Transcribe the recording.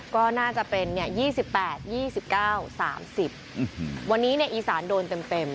ก็น่าจะเป็น๒๘๒๙๓๐วันนี้อีสานโดนเต็ม